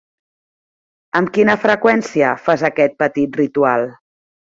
Amb quina freqüència fas aquest petit ritual?